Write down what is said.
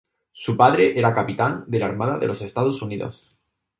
Su padre era capitán de la Armada de los Estados Unidos.